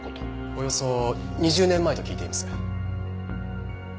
およそ２０年前と聞いています。